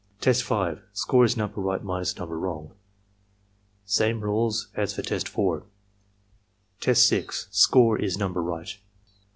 Tests (Score is number right minus number wrong.) Same rules as for Test 4. Teste (Score is number right.)